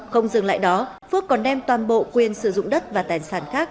không dừng lại đó phước còn đem toàn bộ quyền sử dụng đất và tài sản khác